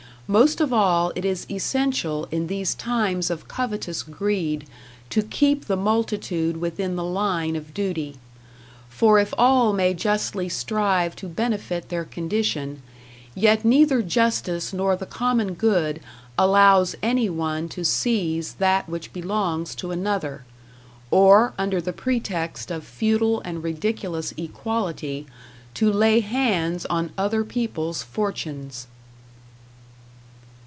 Most of all it is essential in these times of covetous greed, to keep the multitude within the line of duty; for if all may justly strive to benefit their condition, yet neither justice nor the common good allows any one to seize that which belongs to another, or, under the pretext of futile and ridiculous equality, to lay hands on other peoples' fortunes.